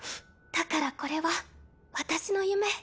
だからこれは私の夢。